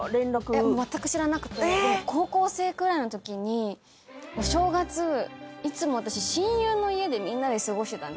でも高校生くらいのときにお正月いつも私親友の家でみんなで過ごしてたんですよ。